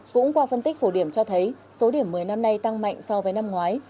cũng qua phân tích phổ điểm cho thấy số điểm một mươi năm nay tăng mạnh so với năm ngoái